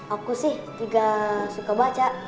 aku sih juga suka baca